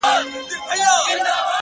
o اوس مي د كلي ماسومان ځوروي ـ